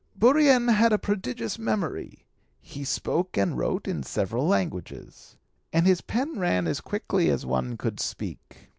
"Bourrienne had a prodigious memory; he spoke and wrote in several languages, and his pen ran as quickly as one could speak.